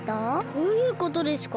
どういうことですか？